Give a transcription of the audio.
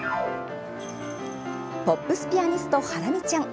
ポップスピアニストハラミちゃん。